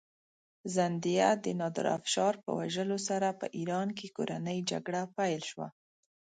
زندیه د نادرافشار په وژلو سره په ایران کې کورنۍ جګړه پیل شوه.